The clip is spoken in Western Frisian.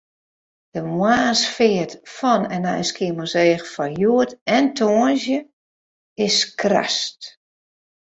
De moarnsfeart fan en nei Skiermûntseach foar hjoed en tongersdei is skrast.